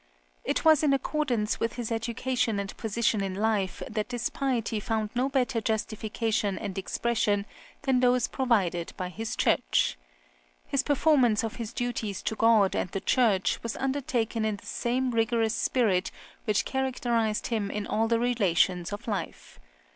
It was in accordance with his education and position in life that this piety found no better justification and expression than those provided by his Church. His performance of his duties to God and the Church was undertaken in the same rigorous spirit which characterised him in all the relations of life.